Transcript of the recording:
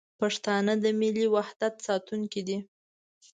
پښتانه د ملي وحدت ساتونکي دي.